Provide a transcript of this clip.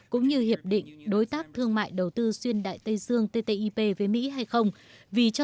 cũng như hiệp định đối tác thương mại đầu tư xuyên đại tây dương ttc